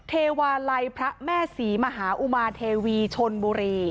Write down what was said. เทวาลัยพระแม่ศรีมหาอุมาเทวีชนบุรี